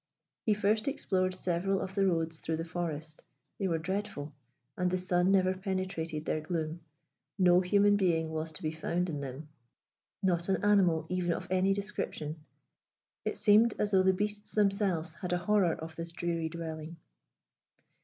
He first explored several of the roads through the forest. They were dreadful, and the sun never penetrated their gloom. No human being was to be found in them; not an animal even of any description; it seemed as though the beasts themselves had a horror of this dreary dwelling.